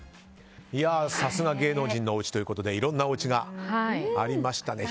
さすが芸能人のおうちということでいろんなおうちがありましたね。